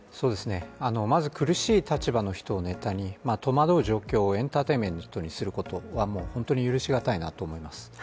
まず苦しい立場の人をネタに戸惑う状況をエンターテインメントにすることは本当に許し難いなと思います。